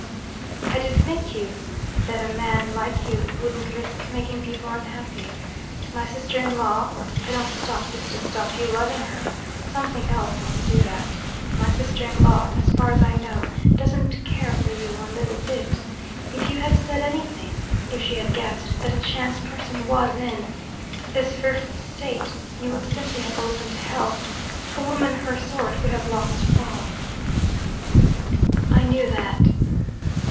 "I did think you that a man like you wouldn't risk making people unhappy. My sister in law I don't say this to stop you loving her; something else must do that my sister in law, as far as I know, doesn't care for you one little bit. If you had said anything, if she had guessed that a chance person was in this fearful state, you would simply have opened hell. A woman of her sort would have lost all " "I knew that."